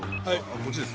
こっちです。